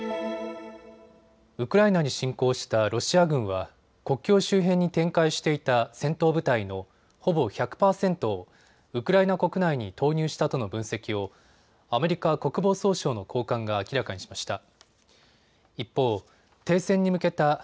ウクライナに侵攻したロシア軍は国境周辺に展開していた戦闘部隊のほぼ１００％をウクライナ国内に投入したとの分析をアメリカ国防総省の高官が明らかにしました。